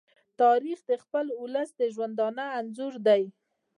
تاریخ د خپل ولس د ژوندانه انځور دی.